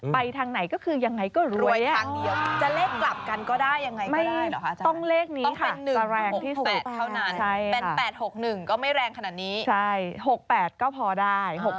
ไปทางไหนก็คือยังไงก็รวย